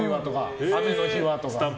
雨の日はとか。